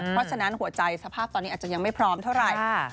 เพราะฉะนั้นหัวใจสภาพตอนนี้อาจจะยังไม่พร้อมเท่าไหร่